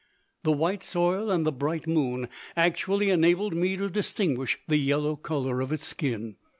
The white soil and the bright moon actually enabled me to distinguish the yellow color of its skin.